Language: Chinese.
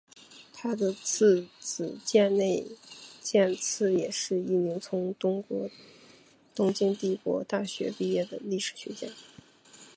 他的次子箭内健次也是一名从东京帝国大学毕业的历史学家。